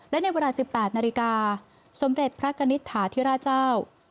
และในวัด๑๘นาฬิกาสมเด็จพระกัณฑิฐาทิราชาว